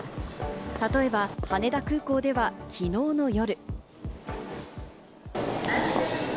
例えば羽田空港では昨日の夜。